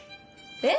えっ？